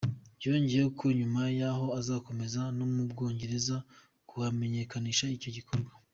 Yongeyeho ko nyuma y’aho azakomereza no mu Bwongereza kuhamenyekanisha icyo gikorwa.